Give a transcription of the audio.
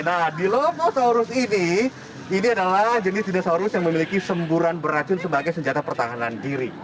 nah dilophosaurus ini adalah jenis dinosaurus yang memiliki semburan beracun sebagai senjata pertahanan diri